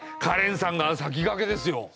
カレンさんが先駆けですよ。